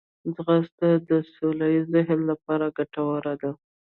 ځغاسته د سوله ییز ذهن لپاره ګټوره ده